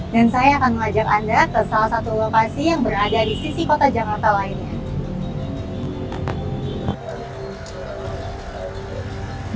dan saya akan mengajak anda ke salah satu lokasi yang berada di sisi kota jakarta lainnya